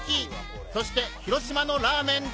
そして広島の「ラーメン」とは！？